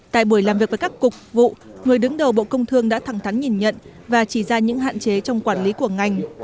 tại buổi làm việc với các cục vụ người đứng đầu bộ công thương đã thẳng thắn nhìn nhận và chỉ ra những hạn chế trong quản lý của ngành